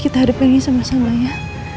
kita hadapinnya sama sama ya